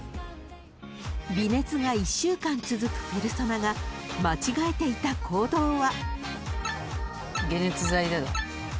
［微熱が１週間続くペルソナが間違えていた行動は］